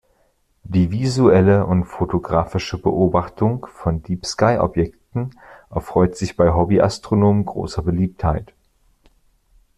Die visuelle und fotografische Beobachtung von Deep-Sky-Objekten erfreut sich bei Hobbyastronomen großer Beliebtheit.